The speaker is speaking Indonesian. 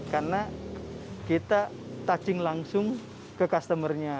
karena kita touching langsung ke customer nya